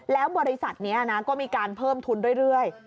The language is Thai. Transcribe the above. แล้วบริษัทนี้นะก็มีการเพิ่มทุนเรื่อย